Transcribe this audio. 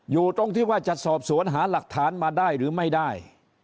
อยู่ตรงที่ว่าจะสอบสวนหาหลักฐานมาได้หรือไม่ได้